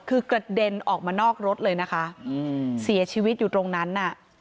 คือกระเด็นออกมานอกรถเลยนะคะเสียชีวิตอยู่ตรงนั้นน่ะ